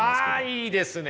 あいいですね。